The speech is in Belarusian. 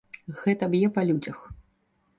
Гэта б'е па людзях.